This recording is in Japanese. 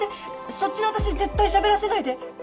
そっちの私に絶対しゃべらせないで。